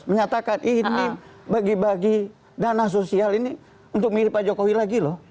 menyatakan ini bagi bagi dana sosial ini untuk milih pak jokowi lagi loh